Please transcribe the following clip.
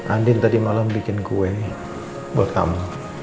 andin tadi malam bikin kue buat kamu